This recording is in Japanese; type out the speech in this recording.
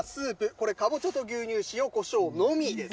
これ、かぼちゃと牛乳、塩、こしょうのみです。